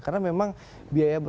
karena memang biaya berkampanye